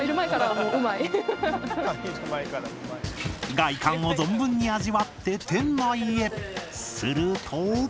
外観を存分に味わってすると。